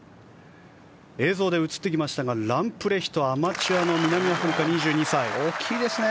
映像で映ってきましたがランプレヒトアマチュアの南アフリカ、２２歳。